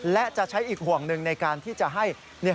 และจะใช้อีกห่วงหนึ่งในการที่จะให้